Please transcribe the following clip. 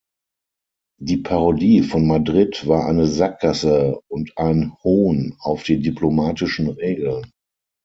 Die Parodie von Madrid war eine Sackgasse und eine Hohn auf die diplomatischen Regeln.